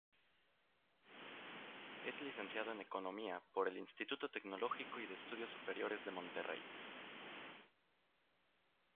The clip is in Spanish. Es licenciado en Economía por el Instituto Tecnológico y de Estudios Superiores de Monterrey.